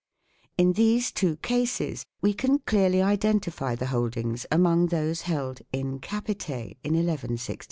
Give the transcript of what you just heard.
In these two cases we can clearly identify the holdings among those held "in capite " in 1166.